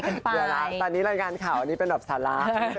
เดี๋ยวนะตอนนี้รายการข่าวอันนี้เป็นแบบสาระ